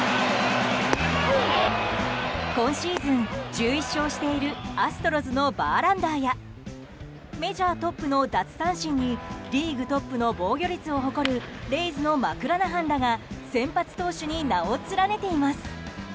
今シーズン１１勝しているアストロズのバーランダーやメジャートップの奪三振にリーグトップの防御率を誇るレイズのマクラナハンらが先発投手に名を連ねています。